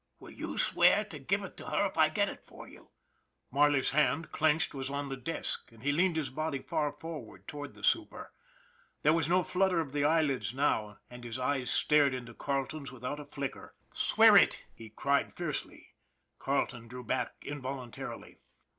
" Will you swear to give it to her if I get it for you? " Marley 's hand, clenched, was on the desk, and he leaned his body far forward toward the super. There was no flutter of the eyelids now, and his eyes stared into Carleton's without a flicker. " Swear it! " he cried fiercely. Carleton drew back involuntarily.